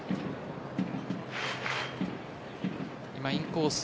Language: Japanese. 今、インコース。